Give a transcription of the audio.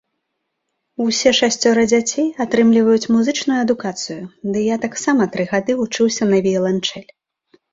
Усе шасцёра дзяцей атрымліваюць музычную адукацыю, ды я таксама тры гады вучыўся на віяланчэль.